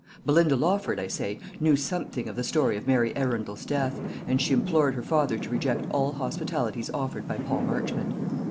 Belinda Lawford, I say, knew something of the story of Mary Arundel's death, and she implored her father to reject all hospitalities offered by Paul Marchmont.